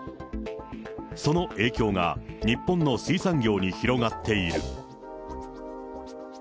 その影響が日本の水産業に広がっている。